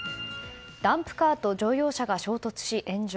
ダンプカーと乗用車が衝突し炎上。